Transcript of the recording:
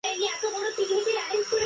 তাদের শরীরে তেল দিয়েছেন।